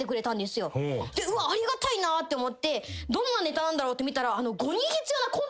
ありがたいなって思ってどんなネタなんだろうって見たら。